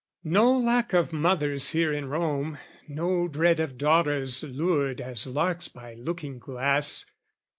No lack of mothers here in Rome, no dread Of daughters lured as larks by looking glass!